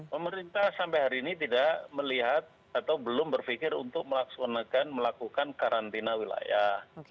pemerintah sampai hari ini tidak melihat atau belum berpikir untuk melaksanakan melakukan karantina wilayah